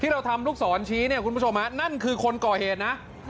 เราทำลูกศรชี้เนี่ยคุณผู้ชมนั่นคือคนก่อเหตุนะ